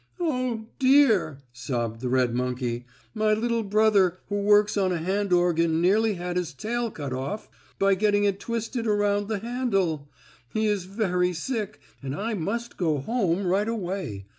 "Oh, dear!" sobbed the red monkey, "my little brother who works on a hand organ nearly had his tail cut off by getting it twisted around the handle. He is very sick, and I must go home right away.